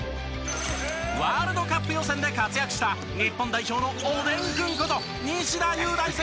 ワールドカップ予選で活躍した日本代表のおでんくんこと西田優大選手２４歳。